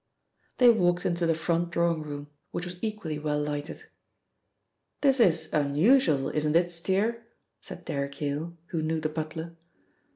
They walked into the front drawing room, which was equally well lighted. "This is unusual, isn't it, Steere?" said Derrick Yale, who knew the butler.